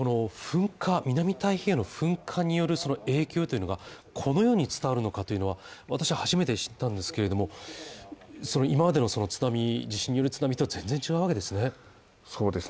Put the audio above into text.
しかし南太平洋の噴火によるその影響というのが、このように伝わるのかというのは私は初めて知ったんですけれども今までのその津波地震による津波と全然違うわけですね。